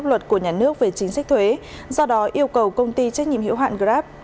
pháp luật của nhà nước về chính sách thuế do đó yêu cầu công ty trách nhiệm hiệu hạn grab